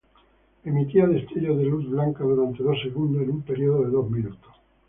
Emitía destellos de luz blanca durante dos segundos en un periodo de dos minutos.